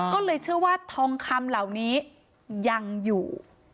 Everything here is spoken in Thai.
ก็เลยเชื่อว่าทองคำเหล่านี้ยังอยู่